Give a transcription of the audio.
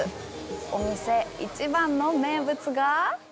お店一番の名物が？